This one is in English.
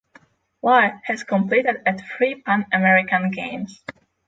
Lye has competed at three Pan American Games.